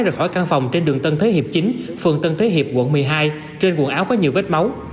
ra khỏi căn phòng trên đường tân thế hiệp chính phường tân thế hiệp quận một mươi hai trên quần áo có nhiều vết máu